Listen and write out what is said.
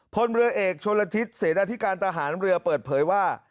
พลเรือเอกชนละทิศเสนาธิการทหารเรือเปิดเผยว่า